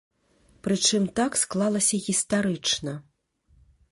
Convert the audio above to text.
Прычым так склалася гістарычна.